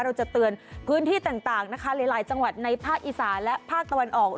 เราจะเตือนพื้นที่ต่างนะคะหลายจังหวัดในภาคอีสานและภาคตะวันออก